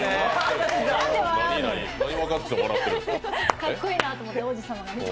かっこいいなと思って、王子さまが。